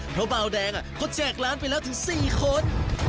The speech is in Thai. เพราะเบาแดงอ่ะควรแจกร้านไปแล้วถึงสี่คน